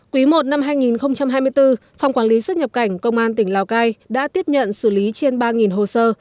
quý i năm hai nghìn hai mươi bốn phòng quản lý xuất nhập cảnh công an tỉnh lào cai đã tiếp nhận xử lý trên ba hồ sơ